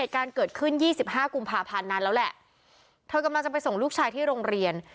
การเกิดขึ้น๒๕กุมภาพันธ์นั้นแล้วแหละเธอกำลังจะไปส่งลูกชายที่โรงเรียน